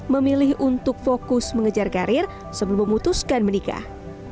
memilih untuk fokus mengejar karir sebelum memutuskan menikah